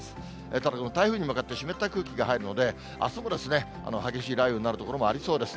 ただこの台風に向かって湿った空気が入るので、あすも激しい雷雨になる所もありそうです。